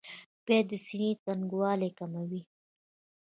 پیاز د سینې تنګوالی کموي